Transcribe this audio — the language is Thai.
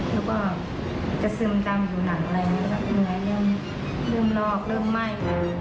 แล้วก็จะซึมตามผิวหนังเลยและพร้อมให้เริ่มนอกเริ่มไหม้